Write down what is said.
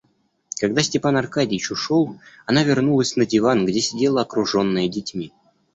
Когда Степан Аркадьич ушел, она вернулась на диван, где сидела окруженная детьми.